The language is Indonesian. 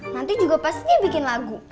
nanti juga pastinya bikin lagu